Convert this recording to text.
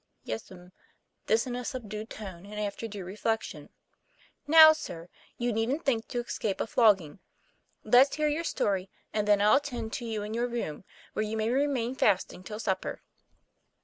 'Yes'm," this in a subdued tone, and after due reflection. '* Now, sir, you needn't think to escape a flogging. Let's hear your story, and then I'll attend to you in your room, where you may remain fasting till supper.